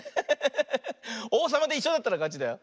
おうさまでいっしょだったらかちだよ。